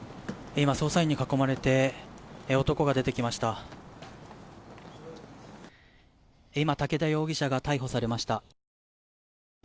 今、武田容疑者が逮捕されました。